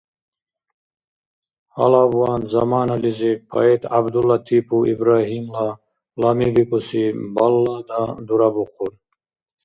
Гьалабван "Заманализиб" поэт Гӏябдуллатипов Ибрагьимла "Лами" бикӏуси баллада дурабухъун.